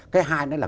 cái hai nữa là